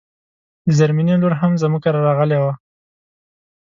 د زرمينې لور هم زموږ کره راغلی و